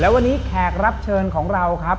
วันนี้แขกรับเชิญของเราครับ